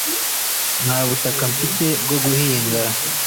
ntabutaka mfite bwo guhinga